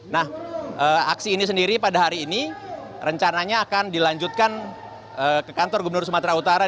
nah aksi ini sendiri pada hari ini rencananya akan dilanjutkan ke kantor gubernur sumatera utara